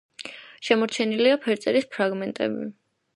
შემორჩენილია ფერწერის ფრაგმენტები.